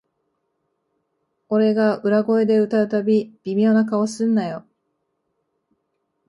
俺が裏声で歌うたび、微妙な顔すんなよ